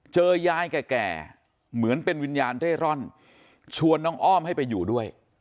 เจอยายแก่เหมือนเป็นวิญญาณเร่ร่อนชวนน้องอ้อมให้ไปอยู่ด้วย